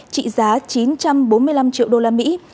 trị giá chín trăm bốn mươi năm triệu đô la mỹ